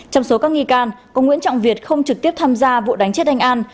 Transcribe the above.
trong số các nghi can có nguyễn trọng việt không trực tiếp tham gia vụ đánh chết anh an